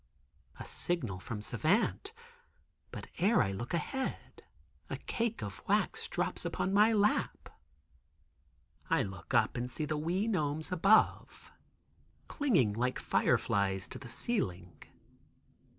A signal from Savant, but e'er I look ahead, a cake of wax drops upon my lap. I look up and see the wee gnomes above, clinging like fireflies to the ceiling.